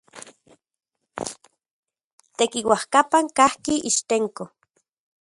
Tekiuajkapan kajki Ixtenco.